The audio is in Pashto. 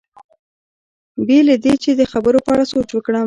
بې له دې چې د خبرو په اړه سوچ وکړم.